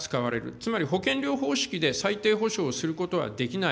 つまり保険料方式で最低保障することはできない。